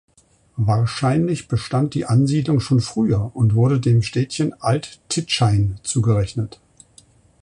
Wahrscheinlich bestand die Ansiedlung schon früher und wurde dem Städtchen Alt Titschein zugerechnet.